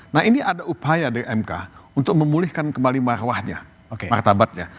nah ini ada upaya di mk untuk memulihkan kembali marwahnya martabatnya